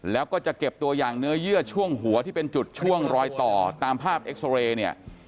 แล้วก็จะเก็บตัวอย่างเนื้อเยื่อช่วงหัวที่เป็นจุดช่วงรอยต่อตามภาพเอ็กซอเรย์เนี่ย